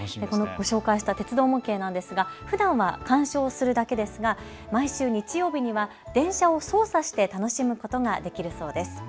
ご紹介した鉄道模型なんですがふだんは鑑賞するだけですが、毎週日曜日には電車を操作して楽しむことができるそうです。